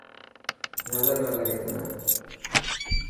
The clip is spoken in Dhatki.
نظر نه لگي تنا.